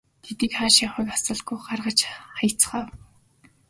Тэдний хааш явахыг ч асуулгүй гаргаж хаяцгаав.